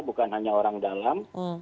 bukan hanya orang dalam